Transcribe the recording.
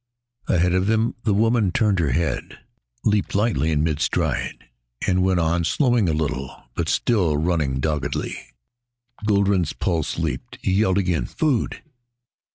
Ahead of him the woman turned her head, leaped lightly in mid stride, and went on; slowing a little but still running doggedly. Guldran's pulse leaped. He yelled again, "Food!"